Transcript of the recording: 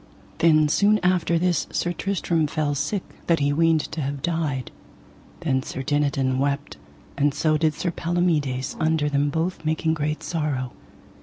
Then soon after this Sir Tristram fell sick that he weened to have died; then Sir Dinadan wept, and so did Sir Palomides under them both making great sorrow.